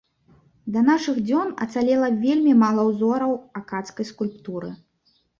Да нашых дзён ацалела вельмі мала ўзораў акадскай скульптуры.